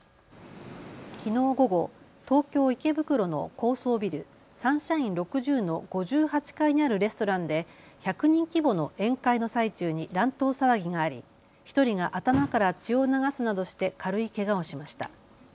きのう午後、東京池袋の高層ビル、サンシャイン６０の５８階にあるレストランで１００人規模の宴会の最中に乱闘騒ぎがあり１人が頭から血を流すなどして軽いけがをしました。